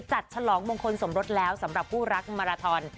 ฉลองมงคลสมรสแล้วสำหรับคู่รักมาราทอน